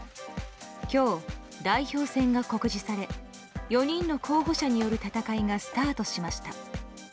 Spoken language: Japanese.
今日、代表選が告示され４人の候補者による戦いがスタートしました。